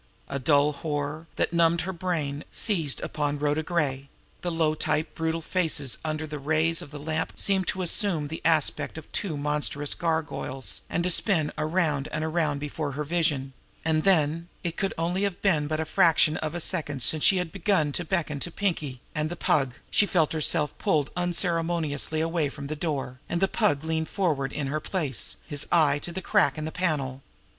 A dull horror, that numbed her brain, seized upon Rhoda Gray; the low type brutal faces under the rays of the lamp seemed to assume the aspect of two monstrous gargoyles, and to spin around and around before her vision; and then it could only have been but the fraction of a second since she had begun to beckon to Pinkie and the Pug she felt herself pulled unceremoniously away from the door, and the Pug leaned forward in her place, his eyes to the crack in the panel.